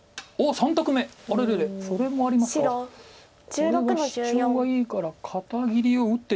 これはシチョウがいいから肩切りを打ってですか。